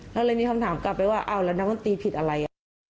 เราเลยมีคำถามกลับไปว่าอ้าวแล้วนักดนตรีผิดอะไร